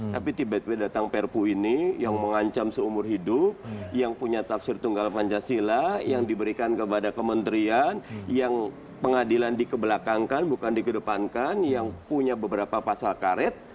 tapi tiba tiba datang perpu ini yang mengancam seumur hidup yang punya tafsir tunggal pancasila yang diberikan kepada kementerian yang pengadilan dikebelakangkan bukan dikedepankan yang punya beberapa pasal karet